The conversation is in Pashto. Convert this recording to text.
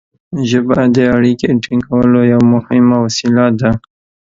ژبه د اړیکې ټینګولو یوه مهمه وسیله ده.